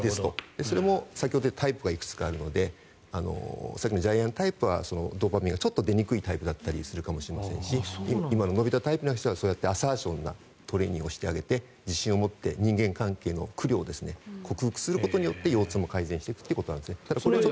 それも先ほど言ったタイプがいくつかあるのでさっきのジャイアンタイプはドーパミンが出にくいタイプだったりするかもしれませんしのび太タイプだとそうやってトレーニングをしてあげて自信を持って人間関係の苦慮を克服することによって腰痛も改善していくということなんです。